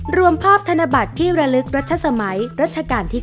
รวมภาพธนบัตรที่ระลึกรัชสมัยรัชกาลที่๙